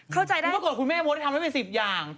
เข้าใจได้อันนี้ปรากฏคุณแม่โม้ทำได้เป็น๑๐อย่าง